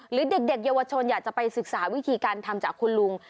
หรือเด็กเยาวชนอยากจะไปศึกษาวิธีการทำจากคุณลุง